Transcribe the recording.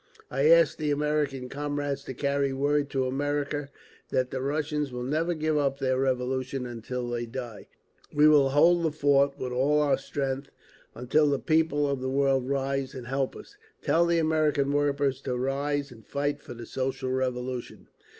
I ask the American comrades to carry word to America, that the Russians will never give up their Revolution until they die. We will hold the fort with all our strength until the peoples of the world rise and help us! Tell the American workers to rise and fight for the Social Revolution!"